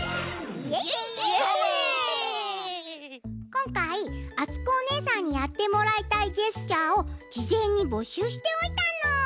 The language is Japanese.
こんかいあつこおねえさんにやってもらいたいジェスチャーをじぜんにぼしゅうしておいたの。